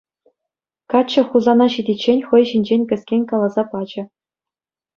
Каччӑ Хусана ҫитиччен хӑй ҫинчен кӗскен каласа пачӗ.